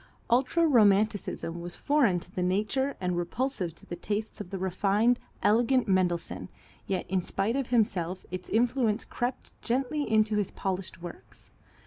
Ultra romanticism was foreign to the nature and repulsive to the tastes of the refined, elegant Mendelssohn, yet in spite of himself its influence crept gently into his polished works.